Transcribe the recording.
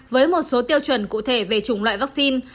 với một số tiêu chuẩn cụ thể về chủng loại vaccine